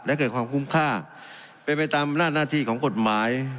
และเกิดความคุ้มค่าเป็นไปตามหน้าที่ของกฎหมาย